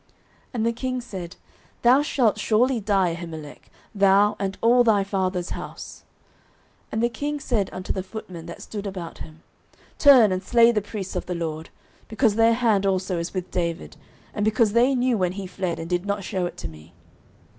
09:022:016 And the king said, Thou shalt surely die, Ahimelech, thou, and all thy father's house. 09:022:017 And the king said unto the footmen that stood about him, Turn, and slay the priests of the LORD: because their hand also is with David, and because they knew when he fled, and did not shew it to me.